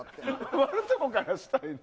割るところからしたいの。